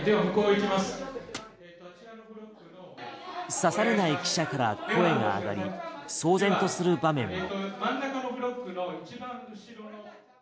指されない記者から声が上がり騒然とする場面も。